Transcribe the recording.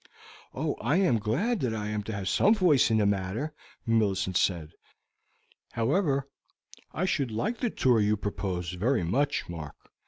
"Oh, I am glad that I am to have some voice in the matter," Millicent said. "However, I should like the tour you propose very much, Mark.